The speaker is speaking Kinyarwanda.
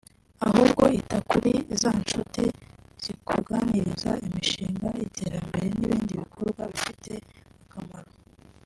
ahubwo ita kuri za nshuti zikuganiriza iby'imishinga y'iterambere n'ibindi bikorwa bifite akamaro